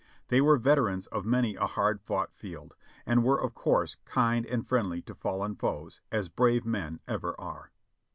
They were veterans of many a hard fought field, and were of course kind and friendly to fallen foes, as brave men ever are.